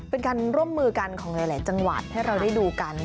เป็นการร่วมมือกันของหลายจังหวัดให้เราได้ดูกัน